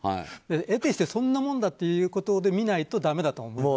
えてして、そんなものだということで見ないとだめだと思います。